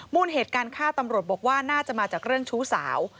เหตุการณ์ฆ่าตำรวจบอกว่าน่าจะมาจากเรื่องชู้สาว